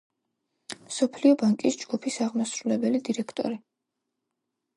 მსოფლიო ბანკის ჯგუფის აღმასრულებელი დირექტორი.